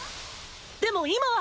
でも今は！